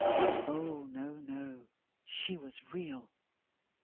Oh, no, no, she was real!